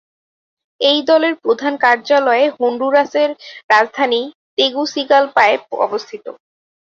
এই দলের প্রধান কার্যালয় হন্ডুরাসের রাজধানী তেগুসিগালপায় অবস্থিত।